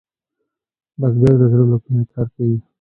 بزګر د زړۀ له کومي کار کوي